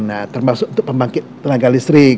nah termasuk untuk pembangkit tenaga listrik